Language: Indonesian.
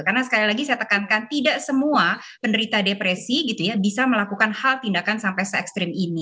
karena sekali lagi saya tekankan tidak semua penderita depresi gitu ya bisa melakukan hal tindakan sampai se ekstrim ini